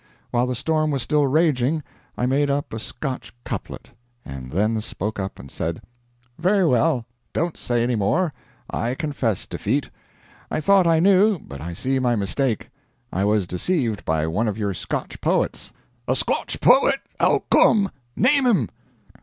While the storm was still raging, I made up a Scotch couplet, and then spoke up and said: "Very well, don't say any more. I confess defeat. I thought I knew, but I see my mistake. I was deceived by one of your Scotch poets." "A Scotch poet! O come! Name him."